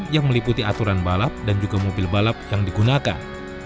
yang meliputi aturan balap dan juga mobil balap yang digunakan